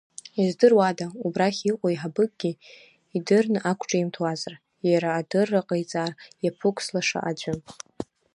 Издыруада, убрахь иҟоу еиҳабыкгьы, идырны ақәҿимҭуазар, иара адырра ҟаиҵар иаԥықәсылаша аӡәы?